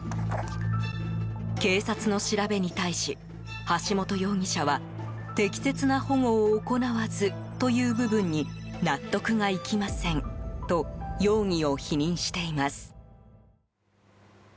警察の調べに対し橋本容疑者は適切な保護を行わずという部分に納得がいきませんと容疑を否認しています。